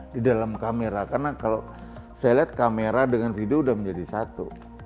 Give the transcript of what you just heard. di dalam kamera karena kalau saya lihat kamera dengan video sudah menjadi satu